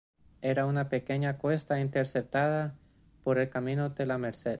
Era una pequeña cuesta interceptada por el camino de la Merced.